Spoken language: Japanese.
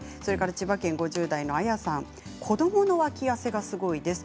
千葉県５０代の方は子どもの脇汗がすごいです。